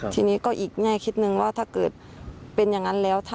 ทีนี้ก็อีกแง่คิดนึงว่าถ้าเกิดเป็นอย่างนั้นแล้ว